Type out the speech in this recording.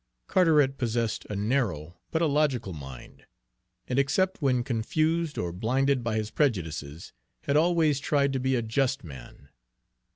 Carteret possessed a narrow, but a logical mind, and except when confused or blinded by his prejudices, had always tried to be a just man.